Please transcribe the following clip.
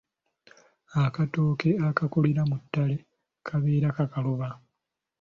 Akatooke akaakulira mu ttale kabeera kakaluba.